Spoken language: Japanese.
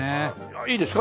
いいですか？